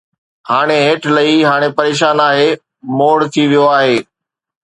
ھاڻي ھيٺ لھي، ھاڻي پريشان آھي، موڙ ٿي ويو آھي